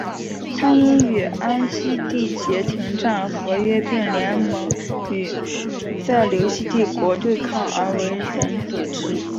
他因与安息缔结停战和约并联盟与塞琉西帝国对抗而为人所知。